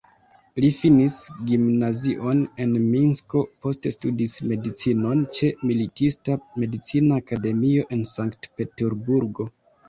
Li finis gimnazion en Minsko, poste studis medicinon ĉe Militista-Medicina Akademio en Sankt-Peterburgo.